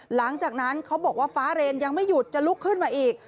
หลังจากนั้นเขาบอกว่าฟ้าเรนยังไม่หยุดจะลุกขึ้นมาอีก